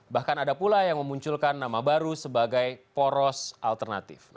bahkan ada pula yang memunculkan nama baru sebagai poros alternatif